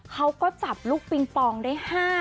เขาก็จับลูกปิงปองได้๕